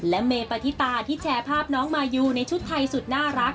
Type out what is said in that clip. และเมปฏิตาที่แชร์ภาพน้องมายูในชุดไทยสุดน่ารัก